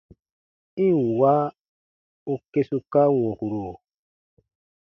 I ǹ wa u kesuka wɔ̃kuru!